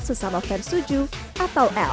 sesama fans tujuh atau l